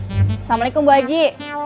assalamualaikum bu haji